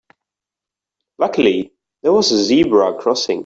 Luckily there was a zebra crossing.